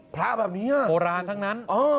พระแบบนี้โบราณทั้งนั้น